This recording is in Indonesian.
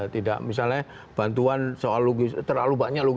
tidak misalnya bantuan soal terlalu banyak